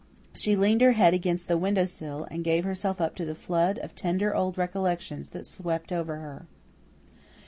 She leaned her head against the window sill, and gave herself up to the flood of tender old recollections that swept over her.